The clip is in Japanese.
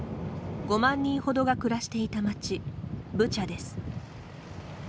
５万人ほどが暮らしていた町ブチャです。